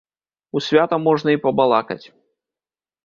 У свята можна і пабалакаць.